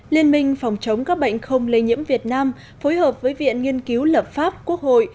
liên minh phòng chống các bệnh không lây nhiễm việt nam phối hợp với viện nghiên cứu lập pháp quốc hội